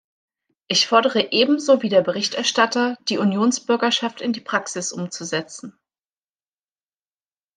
Ich fordere ebenso wie der Berichterstatter, die Unionsbürgerschaft in die Praxis umzusetzen.